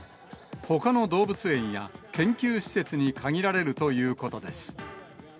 ほかの動物園や研究施設に限られるということです。